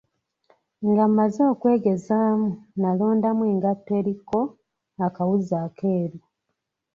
Nga mazze okwegezaamu, nalondamu engatto eriko akawuzi akeeru.